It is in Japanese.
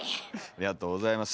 ありがとうございます。